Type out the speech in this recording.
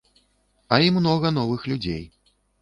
А і многа новых людзей.